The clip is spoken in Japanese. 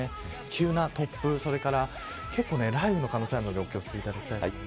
急な突風、それから結構、雷雨の可能性があるのでお気を付けください。